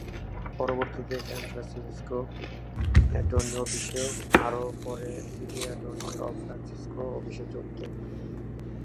পরবর্তীতে San Francisco attorney অফিসে ও আরও পরে সিটি অ্যাটর্নি অব ফ্রান্সিসকো অফিসে যোগ দেন।